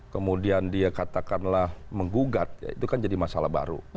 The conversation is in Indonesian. kemudian dia katakanlah menggugat ya itu kan jadi masalah baru